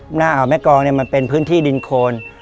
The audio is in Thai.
หน้าอ่าวแม่กองเนี่ยมันเป็นพื้นที่ดินโคน